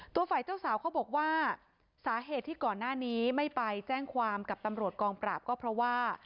ตัวฝ่ายเจ้าสาวเขาบอกว่าสาเหตุที่ก่อนหน้านี้ไม่ไปแจ้งความกับตำรวจกองปราบก็เพราะว่า